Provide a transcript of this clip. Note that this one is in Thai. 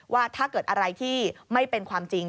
ว่าถ้าเกิดอะไรที่ไม่เป็นความจริง